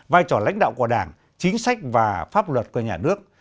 vai trò lãnh đạo của đảng chính sách và pháp luật của nhà nước